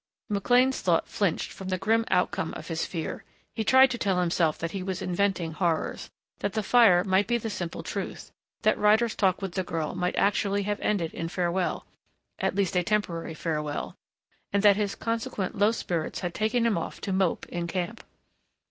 McLean's thoughts flinched from the grim outcome of his fear. He tried to tell himself that he was inventing horrors, that the fire might be the simple truth, that Ryder's talk with the girl might actually have ended in farewell at least a temporary farewell and that his consequent low spirits had taken him off to mope in camp.